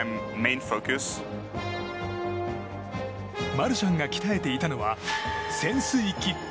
マルシャンが鍛えていたのは潜水キック。